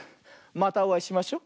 またおあいしましょ。